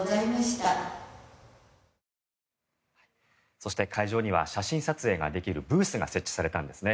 そして会場には写真撮影ができるブースが設置されたんですね。